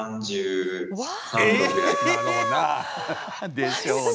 でしょうね。